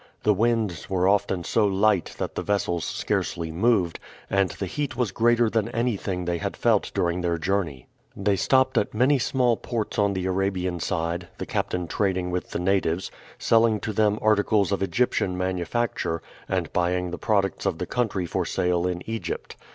The winds were often so light that the vessels scarcely moved, and the heat was greater than anything they had felt during their journey. They stopped at many small ports on the Arabian side; the captain trading with the natives selling to them articles of Egyptian manufacture, and buying the products of the country for sale in Egypt.